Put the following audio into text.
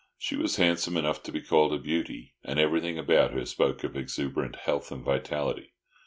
She was handsome enough to be called a beauty, and everything about her spoke of exuberant health and vitality.